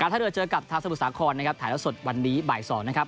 ทัพทรัพย์สาครนะครับถ่ายละสดวันนี้บ่ายสองนะครับ